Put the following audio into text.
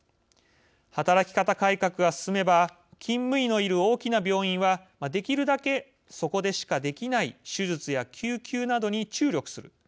働き方改革が進めば勤務医のいる大きな病院はできるだけ、そこでしかできない手術や救急などに注力する。